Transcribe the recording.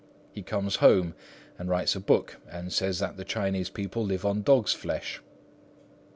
He comes home, and writes a book, and says that the Chinese people live on dogs' flesh.